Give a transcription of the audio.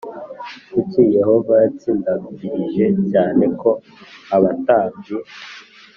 Kuki yehova yatsindagirije cyane ko abatambyi